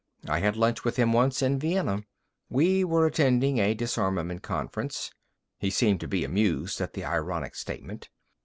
"I had lunch with him once in Vienna. We were attending a disarmament conference." He seemed to be amused at the ironic statement.